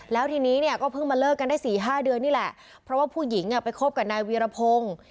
แล้วทีนี้เนี่ยก็เพิ่งมาเลิกกันได้สี่ห้าเดือนนี่แหละเพราะว่าผู้หญิงไปคบกับนายวีรพงศ์